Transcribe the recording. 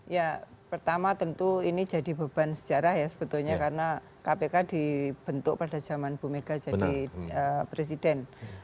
ya pertama tentu ini jadi beban sejarah ya sebetulnya karena kpk dibentuk pada zaman bu mega jadi presiden